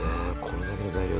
これだけの材料で。